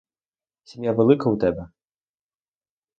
Сім'я велика у тебе?